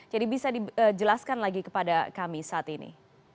jadi bisa dijelaskan lagi kepada kami saat ini